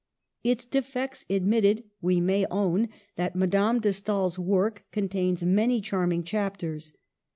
Its defects admitted, we may own that Madame de Stael's work contains many charming chap ters.